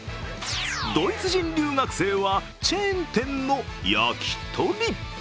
ドイツ人留学生は、チェーン店の焼き鳥。